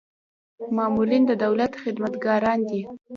مامورین د دولت خدمتګاران دي